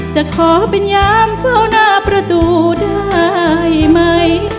จะขอเป็นยามเฝ้าหน้าประตูได้ไหม